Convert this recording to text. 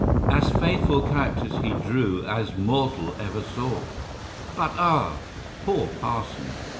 As faithful characters he drew As mortal ever saw; But ah! poor parson!